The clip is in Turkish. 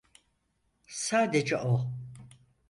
Sadece o.